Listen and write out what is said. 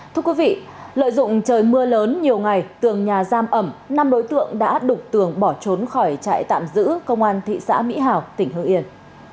thưa quý vị lợi dụng trời mưa lớn nhiều ngày tường nhà giam ẩm năm đối tượng đã đục tường bỏ trốn khỏi trại tạm giữ công an thị xã mỹ hào tỉnh hương yên